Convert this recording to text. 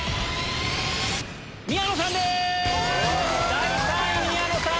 第３位宮野さん